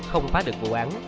không phá được vụ án